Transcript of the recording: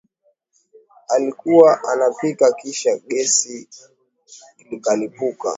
Alikuwa anapika kisha gesi likalipuka